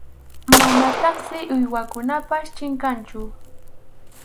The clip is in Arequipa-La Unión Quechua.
Manataqsi uywakunapas chinkanchu.